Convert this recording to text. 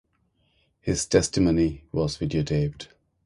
His testimony was videotaped.